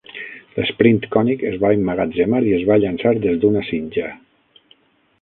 L'Sprint cònic es va emmagatzemar i es va llançar des d'una sitja.